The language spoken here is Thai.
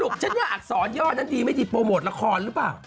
ฉันว่าอักษรย่อนั้นดีไม่ดีโปรโมทละครหรือเปล่า